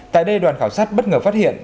tại đây đoàn khảo sát bất ngờ phát hiện